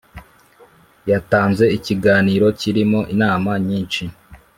Yatanze ikiganiro kirimo inama nyinshi